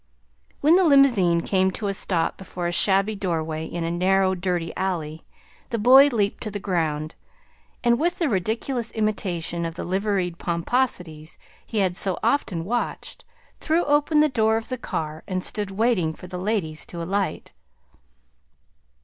When the limousine came to a stop before a shabby doorway in a narrow, dirty alley, the boy leaped to the ground, and, with a ridiculous imitation of the liveried pomposities he had so often watched, threw open the door of the car and stood waiting for the ladies to alight.